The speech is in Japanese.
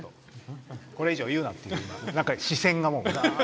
これ以上、言うなっていう視線が。